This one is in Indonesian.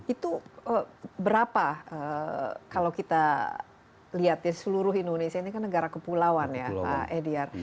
itu berapa kalau kita lihat ya seluruh indonesia ini kan negara kepulauan ya pak edyar